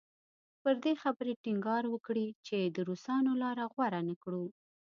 پر دې خبرې ټینګار وکړي چې د روسانو لاره غوره نه کړو.